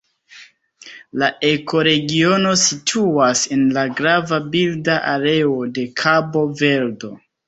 La ekoregiono situas en la grava birda areo de Kabo-Verdo.